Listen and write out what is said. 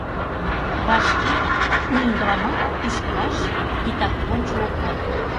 Вашке «Умдыламат» пӱшкылаш титак лончо ок код.